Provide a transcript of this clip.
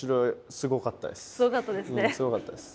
すごかったです。